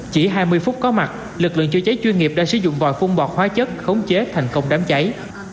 chỉ hai mươi phút có mặt lực lượng chữa cháy chuyên nghiệp đã sử dụng vòi phun bọt hóa chất khống chế thành công đám cháy